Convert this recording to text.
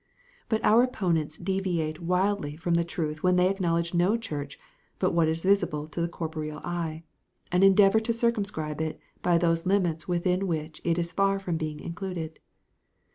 But our opponents deviate widely from the truth when they acknowledge no Church but what is visible to the corporeal eye, and endeavour to circumscribe it by those limits within which it is far from being included.